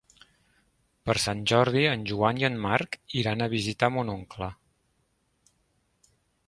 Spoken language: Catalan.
Per Sant Jordi en Joan i en Marc iran a visitar mon oncle.